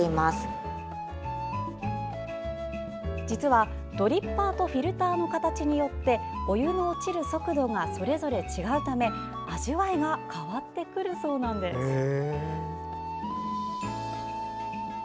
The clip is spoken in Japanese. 実は、ドリッパーとフィルターの形によってお湯の落ちる速度がそれぞれ違うため味わいが変わってくるそうなんです。